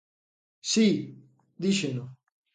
Si, díxeno.